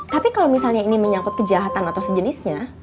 tapi kalau misalnya ini menyangkut kejahatan atau sejenisnya